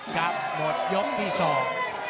กลับหมดยกที่สอง